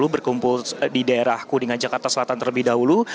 berkumpul di daerah kuningan jakarta selatan terlebih dahulu